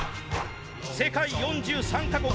世界４３か国